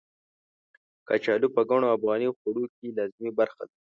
کچالو په ګڼو افغاني خوړو کې لازمي برخه ده.